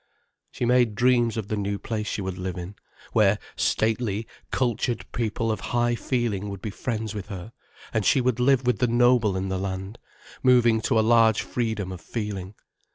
She made dreams of the new place she would live in, where stately cultured people of high feeling would be friends with her, and she would live with the noble in the land, moving to a large freedom of feeling.